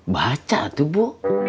baca tuh bu